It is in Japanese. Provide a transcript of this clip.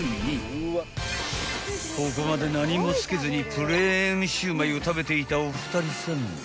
［ここまで何もつけずにプレーンシウマイを食べていたお二人さん］